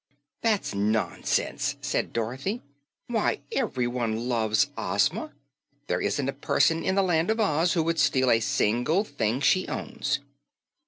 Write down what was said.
"That's nonsense," said Dorothy. "Why, ev'ryone loves Ozma. There isn't a person in the Land of Oz who would steal a single thing she owns."